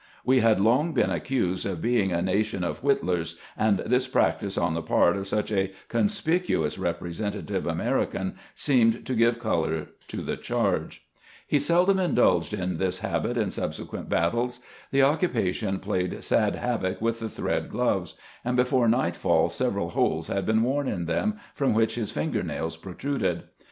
We had long been accused GENERAL HORACE PORTER. From a war tiine photograph. geant's peculiakities in battle 65 of being a nation of wMttlers, and this practice on the part of such a conspicuous representative American seemed to give color to the charge. He seldom indulged in this habit in subsequent battles. The occupation played sad havoc with the thread gloves, and before nightfall several holes had been worn in them, from which his finger nails protruded.